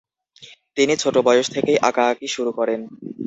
তিনি ছোট বয়স থেকেই আঁকাআঁকি শুরু করেন।